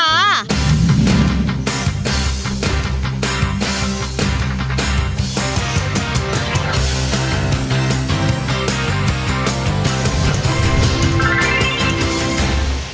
โปรดติดตามตอนต่อไป